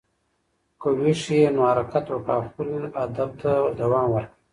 که ویښ یې، نو حرکت وکړه او خپلې هدف ته دوام ورکړه.